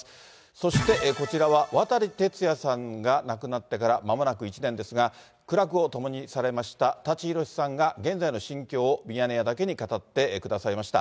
そして、こちらは渡哲也さんが亡くなってからまもなく１年ですが、苦楽を共にされました舘ひろしさんが現在の心境を、ミヤネ屋だけに語ってくださいました。